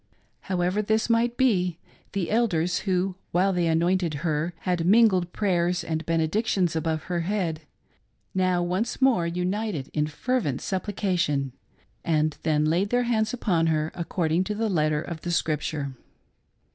However this might be, the elders, who. while they anointed her had mingled prayers and benedic , tions above her head, now once more united in fervent suppli cation, and then laid their hands upon her, according to the letter of the Scripture.